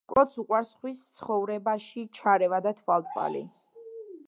კლოდს უყვარს სხვის ცხოვრებაში ჩარევა და თვალთვალი.